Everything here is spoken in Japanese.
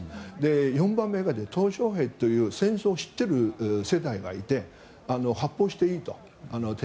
４番目がトウ・ショウヘイという戦争を知っている世代がいて発砲していいと。